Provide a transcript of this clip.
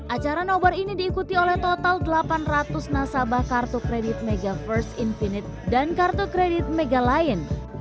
acara nobar ini diikuti oleh total delapan ratus nasabah kartu kredit mega first infinite dan kartu kredit mega lain